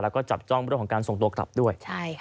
แล้วก็จับจ้องเรื่องของการส่งตัวกลับด้วย